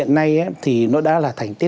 đấy như thế